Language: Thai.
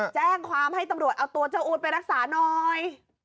แจ้งความให้ตำรวจเอาตัวเจ้าอู๊ดไปรักษาหน่อย